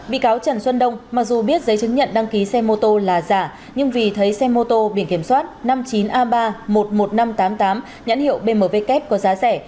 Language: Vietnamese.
bị cáo trần xuân đông mặc dù biết giấy chứng nhận đăng ký xe mô tô là giả nhưng vì thấy xe mô tô biển kiểm soát năm mươi chín a ba một mươi một nghìn năm trăm tám mươi tám nhãn hiệu bmw kép có giá rẻ